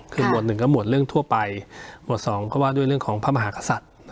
คือหมวดหนึ่งก็หมวดเรื่องทั่วไปหมวดสองก็ว่าด้วยเรื่องของพระมหากษัตริย์